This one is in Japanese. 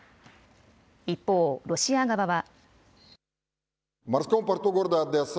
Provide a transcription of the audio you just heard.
一方、ロシア側は。